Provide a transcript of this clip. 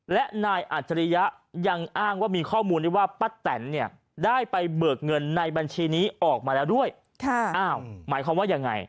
และนายอาชริยะยังอ้างว่ามีข้อมูลว่าป้าแตนได้ไปเบิกเงินในบัญชีนี้ออกมาแล้วด้วย